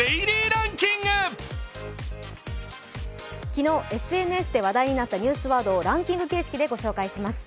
昨日ＳＮＳで話題になったニュースワードをランキング形式でご紹介します。